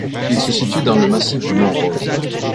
Il se situe dans le massif du mont Rose.